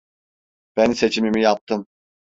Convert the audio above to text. Ben seçimimi yaptım.